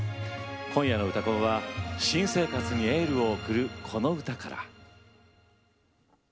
今夜の「うたコン」は新生活にエールを送るこの歌から。